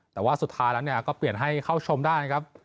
แต่ว่าสุดท้ายแล้วเนี่ยก็เปลี่ยนให้เข้าชมได้นะครับ